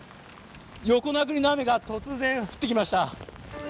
横殴りの雨が突然降ってきました。